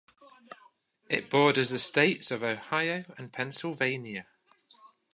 It borders the states of Ohio and Pennsylvania.